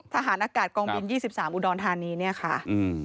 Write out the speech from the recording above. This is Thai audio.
ทหารอากาศกองบิน๒๓อุดรธานีเนี่ยค่ะอืม